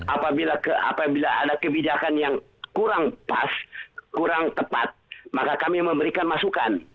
apabila ada kebijakan yang kurang pas kurang tepat maka kami memberikan masukan